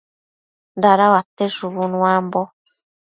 Dadauate shubu nuambo